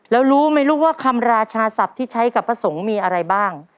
แล้วรู้ไหมลูกว่าคำราชาศัพท์ที่ใช้กับพระสงฆ์มีอะไรบ้าง